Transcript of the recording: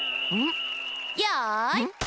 よい。